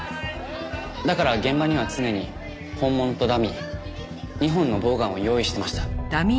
だから現場には常に本物とダミー２本のボウガンを用意していました。